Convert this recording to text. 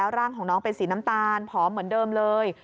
ร่างของน้องเป็นสีน้ำตาลผอมเหมือนเดิมเลย